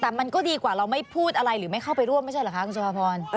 แต่มันก็ดีกว่าเราไม่พูดอะไรหรือไม่เข้าไปร่วมไม่ใช่เหรอคะคุณสุภาพร